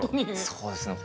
そうですね。